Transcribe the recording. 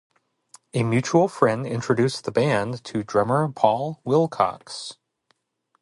A mutual friend introduced the band to drummer Paul Wilcox.